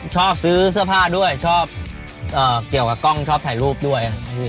ชอบซื้อเสื้อผ้าด้วยชอบเกี่ยวกับกล้องชอบถ่ายรูปด้วย